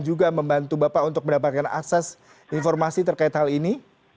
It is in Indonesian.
juga membantu bapak untuk mendapatkan akses informasi terkait hal ini